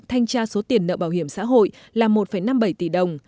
thanh tra số tiền nợ bảo hiểm xã hội là một năm mươi bảy tỷ đồng